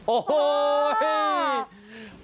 อุ๊ย